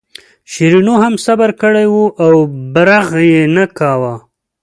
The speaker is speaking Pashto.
شیرینو هم صبر کړی و او برغ یې نه کاوه.